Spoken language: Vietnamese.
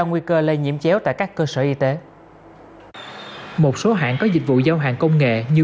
nguy cơ lây nhiễm chéo tại các cơ sở y tế một số hãng có dịch vụ giao hàng công nghệ như